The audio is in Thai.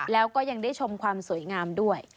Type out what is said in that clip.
แล้วก็ยังได้ชมความสวยงามด้วย